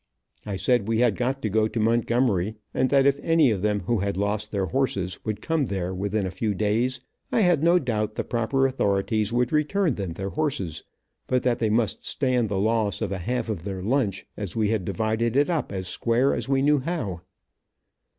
I said we had got to go to Montgomery, and that if any of them who had lost their horses, would come there within a few days, I had no doubt the proper authorities would return them their horses, but that they must stand the loss of a half of their lunch, as we had divided it up as square as we knew how.